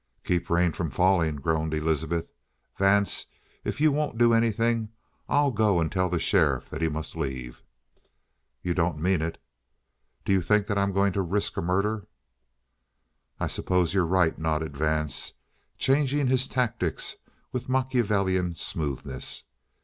"Keep rain from falling!" groaned Elizabeth. "Vance, if you won't do anything, I'll go and tell the sheriff that he must leave!" "You don't mean it!" "Do you think that I'm going to risk a murder?" "I suppose you're right," nodded Vance, changing his tactics with Machiavellian smoothness.